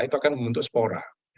itu akan membentuk spora